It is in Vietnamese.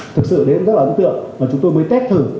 thực sự đấy cũng rất là ấn tượng và chúng tôi mới test thử